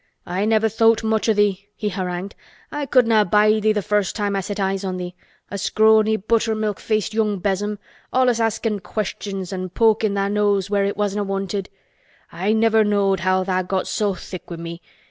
"I never thowt much o' thee!" he harangued. "I couldna' abide thee th' first time I set eyes on thee. A scrawny buttermilk faced young besom, allus askin' questions an' pokin' tha' nose where it wasna, wanted. I never knowed how tha' got so thick wi' me.